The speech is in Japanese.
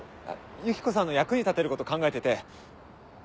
ユキコさんの役に立てること考えてて。